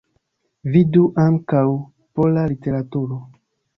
Vidu ankaŭ: Pola literaturo.